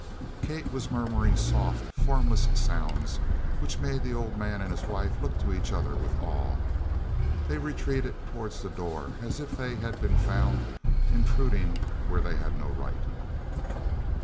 Kate was murmuring soft, formless sounds which made the old man and his wife look to each other with awe. They retreated towards the door as if they had been found intruding where they had no right.